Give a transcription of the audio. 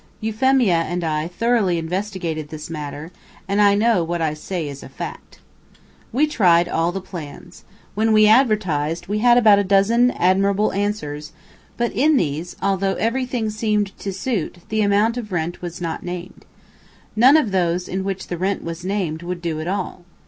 Euphemia and I thoroughly investigated this matter, and I know that what I say is a fact. We tried all the plans. When we advertised, we had about a dozen admirable answers, but in these, although everything seemed to suit, the amount of rent was not named. (None of those in which the rent was named would do at all.)